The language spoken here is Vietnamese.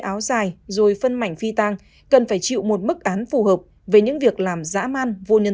áo dài rồi phân mảnh phi tang cần phải chịu một bức án phù hợp với những việc làm dã man vô nhân